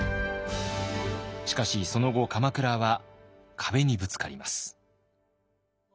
しかしその後鎌倉は壁にぶつかります。